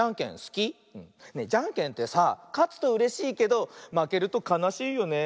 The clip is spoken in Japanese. じゃんけんってさかつとうれしいけどまけるとかなしいよね。